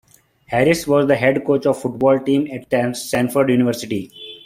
Harris was the head coach of the football team at Stanford University.